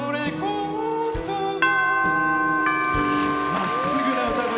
まっすぐな歌声。